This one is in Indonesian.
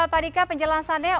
pak dika penjelasannya